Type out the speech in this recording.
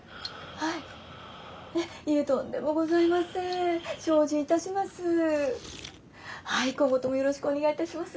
はい今後ともよろしくお願いいたします。